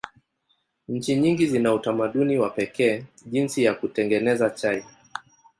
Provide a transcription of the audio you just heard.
Nchi nyingi zina utamaduni wa pekee jinsi ya kutengeneza chai.